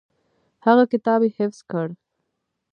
هغه کتاب یې حفظ کړ.